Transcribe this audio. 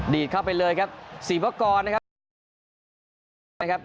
ดีดเข้าไปเลยครับศรีพกรนะครับ